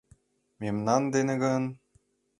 Мемнан дене гын...